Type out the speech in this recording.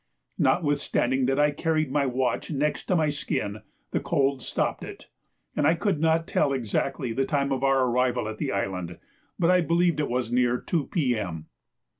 Notwithstanding that I carried my watch next to my skin the cold stopped it, and I could not tell exactly the time of our arrival at the island, but I believed it was near 2 P.M.